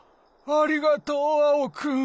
ありがとうアオくん！